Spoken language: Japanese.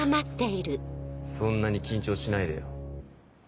そんなに緊張しないでよ。